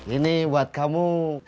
ini buat kamu